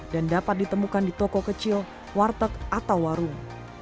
dan dapat ditemukan di toko kecil warteg atau warung